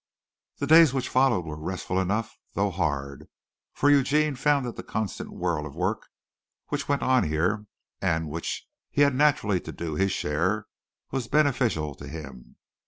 The days which followed were restful enough though hard, for Eugene found that the constant whirl of work which went on here, and of which he had naturally to do his share, was beneficial to him.